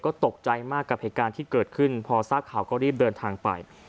ก็ตกใจมากกับเหตุการณ์ที่เกิดขึ้นพอทราบข่าวก็รีบเดินทางไป